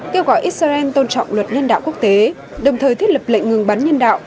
kêu gọi israel tôn trọng luật nhân đạo quốc tế đồng thời thiết lập lệnh ngừng bắn nhân đạo